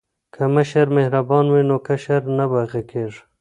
که مشر مهربان وي نو کشر نه باغی کیږي.